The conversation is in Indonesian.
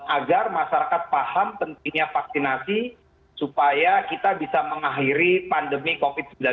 agar masyarakat paham pentingnya vaksinasi supaya kita bisa mengakhiri pandemi covid sembilan belas